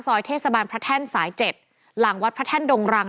ซอยเทศบาลพระแท่นสาย๗หลังวัดพระแท่นดงรัง